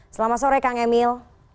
selamat sore kang emil